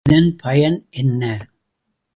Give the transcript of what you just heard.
இதன் பயன் என்ன?